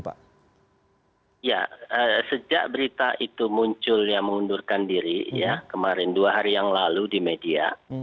ya sejak berita itu muncul yang mengundurkan diri kemarin dua hari yang lalu di media